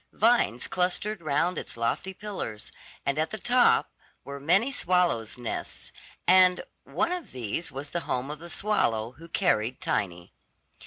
Vines clustered round its lofty pillars, and at the top were many swallows' nests, and one of these was the home of the swallow who carried Tiny.